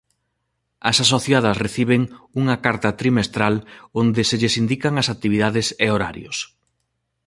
As asociadas reciben unha carta trimestral onde se lles indican as actividades e horarios.